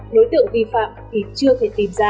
đối tượng vi phạm thì chưa thể tìm ra